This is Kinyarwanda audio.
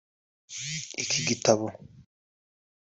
Iki gitabo